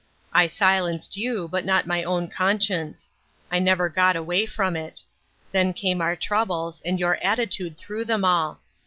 I silenced AT HOME. 337 you, but not my own conscience ; I never got away from it. Then came our troubles, and your attitude through them all.